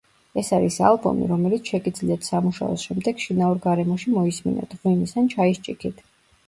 ეს არის ალბომი, რომელიც შეგიძლიათ სამუშაოს შემდეგ შინაურ გარემოში მოისმინოთ, ღვინის ან ჩაის ჭიქით.